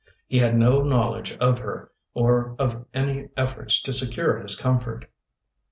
He had no knowledge of her, or of any efforts to secure his comfort.